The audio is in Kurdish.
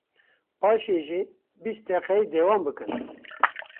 paşê jî bîst deqeyê dewam bikin.